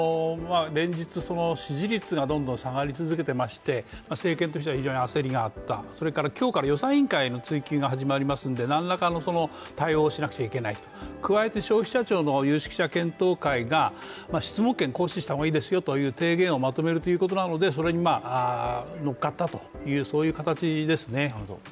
連日支持率がどんどん下がり続けていまして政権としては非常に焦りがあった、それから今日から予算委員会の追及が始まりますので何らかの対応をしなくちゃいけない加えて消費者庁の有識者検討会が質問権を行使した方がいいですよという提言をまとめるということなのでそれに乗っかったという形ですね。